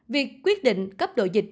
việc quyết định cấp độ dịch